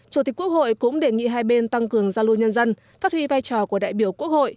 chủ tịch quốc hội cũng đề nghị hai bên tăng cường giao lưu nhân dân phát huy vai trò của đại biểu quốc hội